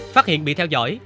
phát hiện bị theo dõi